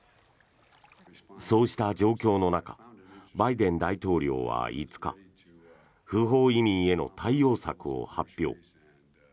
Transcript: そうした状況の中バイデン大統領は５日不法移民への対応策を発表。